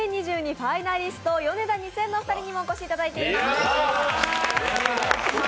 ファイナリストヨネダ２０００のお二人にもお越しいただいています。